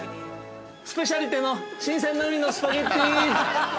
スペシャリテの新鮮なウニのスパゲッティ。